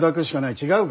違うか。